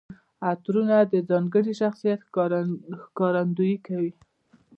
عطرونه د ځانګړي شخصیت ښکارندويي کوي.